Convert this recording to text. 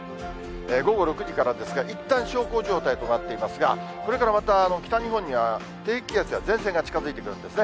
午後６時からですが、いったん小康状態となっていますが、これからまた、北日本には低気圧や前線が近づいてくるんですね。